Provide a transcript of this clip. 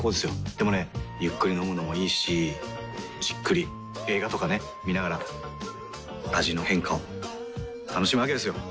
でもねゆっくり飲むのもいいしじっくり映画とかね観ながら味の変化を楽しむわけですよ。